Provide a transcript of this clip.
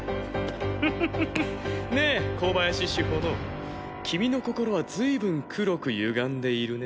ふふふふっねえ小林詩帆乃君の心は随分黒くゆがんでいるね。